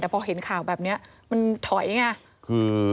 แต่พอเห็นข่าวแบบนี้มันถอยไงคือ